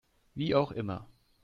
Wie auch immer.